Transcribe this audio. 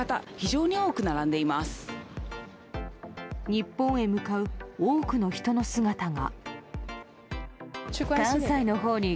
日本へ向かう多くの人の姿が。